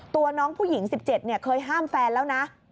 ตัวน้องผู้หญิง๑๗เคยห้ามแฟนแล้วนะ